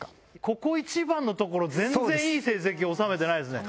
ここ一番のところ全然いい成績収めてないですね。